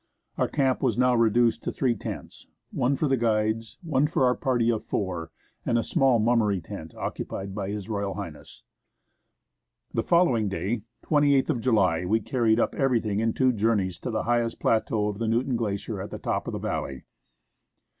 Our camp was now 142 w w in o o w h < o NEWTON GLACIER reduced to three tents : one for the guides, one for our party of four, and the small Mummery tent occupied by H.R. H. The following day, 28th of July, we carried up everything in two journeys to the highest plateau of the Newton Glacier at the top of the valley.